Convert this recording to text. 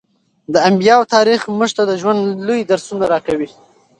د انبیاوو تاریخ موږ ته د ژوند لوی درسونه راکوي.